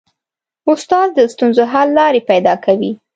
استاد د ستونزو حل لارې پیدا کوي.